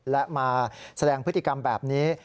และมาแสดงพฤติกรรมแบบนี้